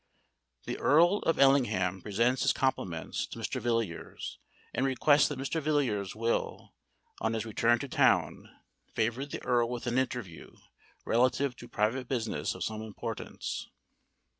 _ "The Earl of Ellingham presents his compliments to Mr. Villiers, and requests that Mr. Villiers will, on his return to town, favour the Earl with an interview relative to private business of some importance."